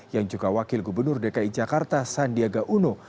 yang juga wakil gubernur dki jakarta sandiaga uno